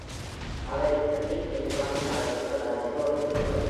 அவரை கொண்டிக் கை சுவாமிநாதன் என்றுதான் எல்லோரும் குறிப்பிடுவார்கள்.